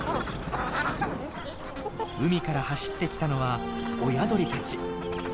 海から走ってきたのは親鳥たち。